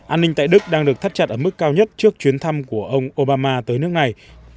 an ninh tại đức đang được thắt chặt ở mức cao nhất trước chuyến thăm của ông obama tới nước này